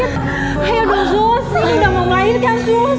ayo dong sus ini udah mau lahir kan sus